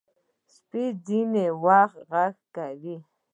سپي ځینې وخت غږ کوي.